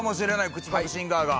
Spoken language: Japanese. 口ぱくシンガーが。